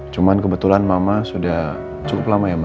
cuman kebetulan mama sudah cukup lama ya mbak